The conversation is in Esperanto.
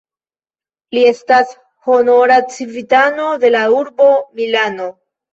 Li estas honora civitano de la urbo Milano.